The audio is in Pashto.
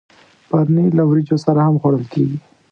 پنېر له وریجو سره هم خوړل کېږي.